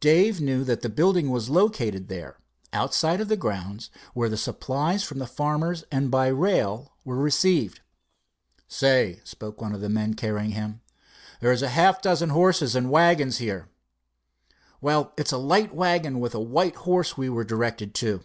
Dave knew that the building was located there, outside of the grounds, where the supplies from farmers and by rail were received. "Say," spoke one of the men carrying him, "there's half a dozen horses and wagons here." "Well, it's a light wagon with a white horse we were directed to."